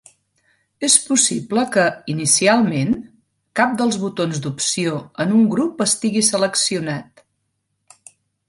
És possible que, inicialment, cap dels botons d'opció en un grup estigui seleccionat.